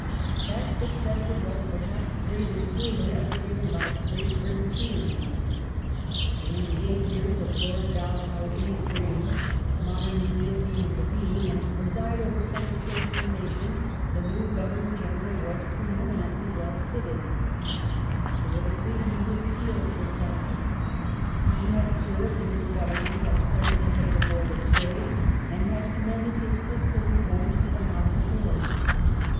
That successor was, perhaps, the greatest ruler ever given by The rule Great Britain to India. During the eight years of Lord Dalhousie's 9^ ]^^^^ reign modem India came into being, and to preside over such a housie, transformation the new Governor General was pre eminently well 1848 1856 fitted. Politically he was Peel's disciple. He had served, in his Government, as President of the Board of Trade, and had com mended his fiscal reforms to the House of Lords.